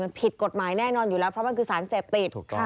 มันผิดกฎหมายแน่นอนอยู่แล้วเพราะมันคือสารเสพติด